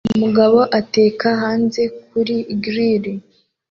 Umugabo ateka hanze kuri grill